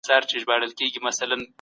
ایا هره تجربه یو علم دی؟